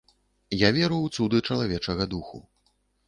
Я веру ў цуды чалавечага духу.